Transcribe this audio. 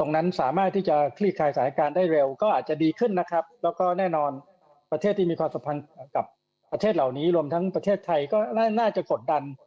ตรงนั้นสามารถที่จะคลี่คลายสถานการณ์ได้เร็วก็อาจจะดีขึ้นนะครับแล้วก็แน่นอนประเทศที่มีความสัมพันธ์กับประเทศเหล่านี้รวมทั้งประเทศไทยก็น่าจะกดดัน